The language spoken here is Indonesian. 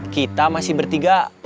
kita masih bertiga